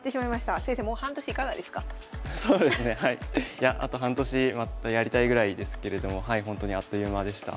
いやあと半年またやりたいぐらいですけれどもほんとにあっという間でした。